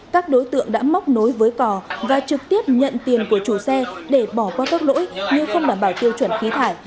các đối tượng đã móc nối với cò và trực tiếp nhận tiền của chủ xe để bỏ qua các lỗi như không đảm bảo tiêu chuẩn khí thải